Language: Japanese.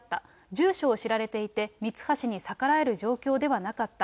住所を知られていて、ミツハシに逆らえる状況ではなかった。